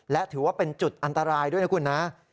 และถือว่าเป็นจุดอันตรายด้วยนะคุณนะ